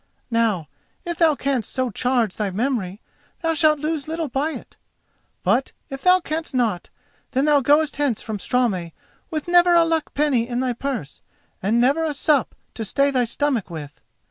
Now, if thou canst so charge thy memory, thou shalt lose little by it. But, if thou canst not, then thou goest hence from Straumey with never a luck penny in thy purse, and never a sup to stay thy stomach with."